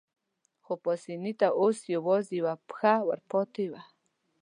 خو پاسیني ته اوس یوازې یوه پښه ورپاتې وه.